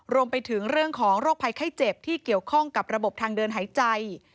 รวมไปถึงเรื่องของโรคภัยไข้เจ็บที่เกี่ยวข้องกับระบบทางเดินหายใจ